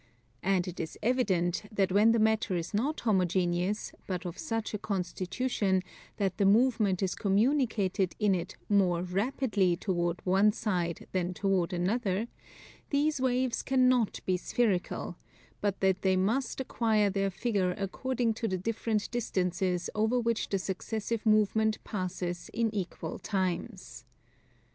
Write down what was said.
And it is evident that when the matter is not homogeneous, but of such a constitution that the movement is communicated in it more rapidly toward one side than toward another, these waves cannot be spherical: but that they must acquire their figure according to the different distances over which the successive movement passes in equal times.